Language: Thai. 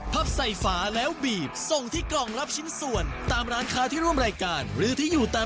ถ้าอย่างนั้นไปดูกติกากันเลยค่ะ